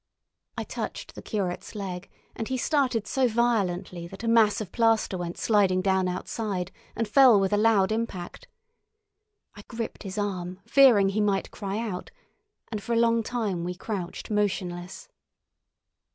I touched the curate's leg, and he started so violently that a mass of plaster went sliding down outside and fell with a loud impact. I gripped his arm, fearing he might cry out, and for a long time we crouched motionless.